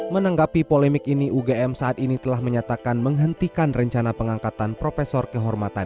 menanggapi polemik ini ugm saat ini telah menyatakan menghentikan rencana pengangkatan profesor kehormatan